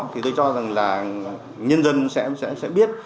thì tôi cho rằng là nhân dân sẽ biết